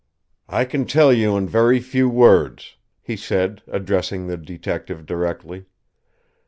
"I can tell you in very few words," he said, addressing the detective directly.